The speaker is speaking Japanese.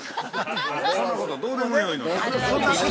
◆そんなことどうでもよいのじゃ。